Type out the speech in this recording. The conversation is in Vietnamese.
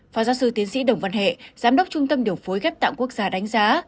phó giáo sư tiến sĩ đồng văn hệ giám đốc trung tâm điều phối ghép tạng quốc gia đánh giá